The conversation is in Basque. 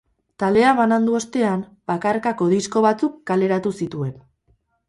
Taldea banandu ostean, bakarkako disko batzuk kaleratu zituen.